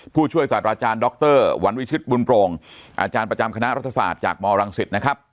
ผู้ช่วยศาสตราจารย์ดรวันวิชิตบุญโปรงอาจารย์ประจำคณะรัฐศาสตร์จากมรังสิตนะครับ